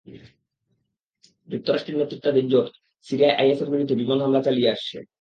যুক্তরাষ্ট্রের নেতৃত্বাধীন জোট সিরিয়ায় আইএসের বিরুদ্ধে বিমান হামলা চালিয়ে আসছে।